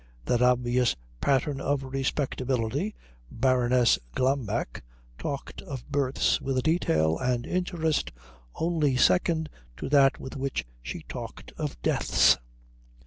That obvious pattern of respectability, Baroness Glambeck, talked of births with a detail and interest only second to that with which she talked of deaths.